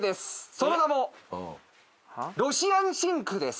その名もロシアンシンクです。